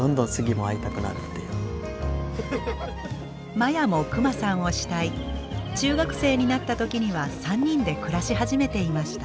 マヤもクマさんを慕い中学生になった時には３人で暮らし始めていました。